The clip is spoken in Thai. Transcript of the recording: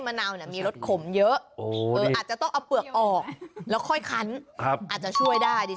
หน้าเขามีความสดชื่นใช่ไหม